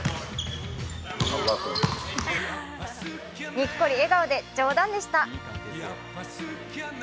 にっこり笑顔で冗談でした。